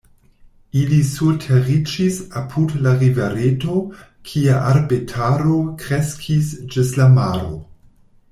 Ili surteriĝis apud la rivereto, kie arbetaro kreskis ĝis la maro.